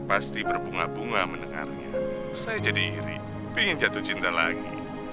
pasti berbunga bunga mendengarnya saya jadi ingin jatuh cinta lagi